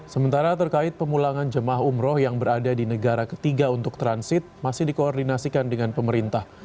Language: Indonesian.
sementara terkait pemulangan jemaah umroh yang berada di negara ketiga untuk transit masih dikoordinasikan dengan pemerintah